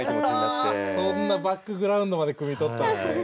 そんなバックグラウンドまでくみ取ったんですね。